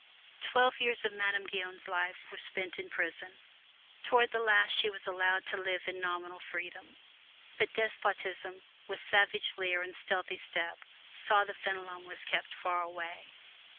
Twelve years of Madame Guyon's life were spent in prison. Toward the last she was allowed to live in nominal freedom. But despotism, with savage leer and stealthy step, saw that Fenelon was kept far away.